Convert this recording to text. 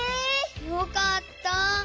よかった。